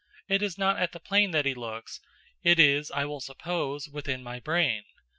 It is not at the plain that he looks; it is, I will suppose, within my brain.